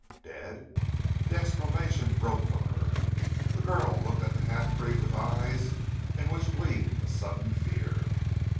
"Dead!" As the exclamation broke from her, the girl looked at the half breed with eyes in which gleamed a sudden fear.